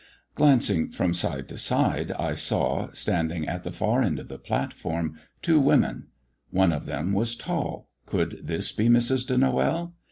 Glancing from side to side I saw, standing at the far end of the platform, two women; one of them was tall; could this be Mrs. de Noël?